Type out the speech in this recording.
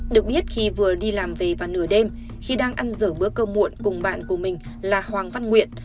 được biết khi vừa đi làm về và nửa đêm khi đang ăn giữ bữa cơm muộn cùng bạn của mình là hoàng văn nguyện